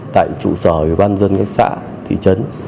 tại trụ sở bàn dân các xã thị trấn